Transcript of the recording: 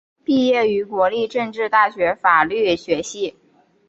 毕业于国立政治大学法律学系。